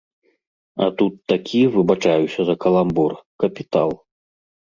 А тут такі, выбачаюся за каламбур, капітал.